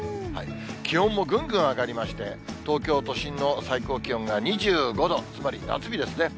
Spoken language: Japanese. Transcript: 気温もぐんぐん上がりまして、東京都心の最高気温が２５度、つまり夏日ですね。